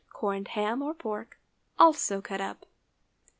corned ham or pork, also cut up.